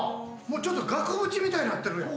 ちょっと額縁みたいになってるやん。